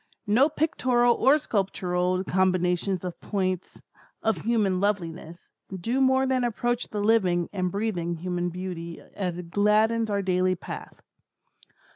No pictorial or sculptural combinations of points of human loveliness, do more than approach the living and breathing human beauty as it gladdens our daily path.